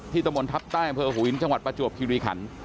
ที่ตมนต์ทัพใต้เผลอหูอินจังหวัดประจวบคิริขัน